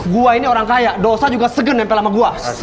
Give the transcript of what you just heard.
gue ini orang kaya dosa juga segen nempel sama gue